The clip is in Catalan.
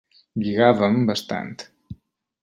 Lligàvem bastant.